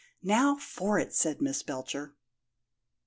"Now for it!" said Miss Belcher.